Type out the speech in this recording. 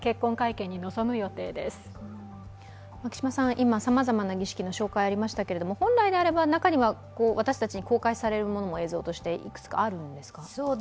今、さまざまな儀式の紹介がありましたが本来であれば中には私たちに公開されるものも映像としていくつかあるんですか？